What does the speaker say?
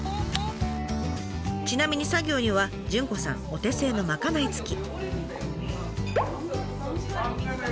ちなみに作業には潤子さんお手製のまかない付き！